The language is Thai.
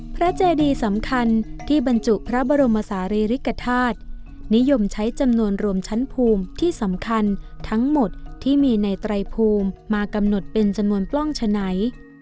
เจดีสำคัญที่บรรจุพระบรมศาลีริกฐาตุนิยมใช้จำนวนรวมชั้นภูมิที่สำคัญทั้งหมดที่มีในไตรภูมิมากำหนดเป็นจำนวนปล้องฉะไหน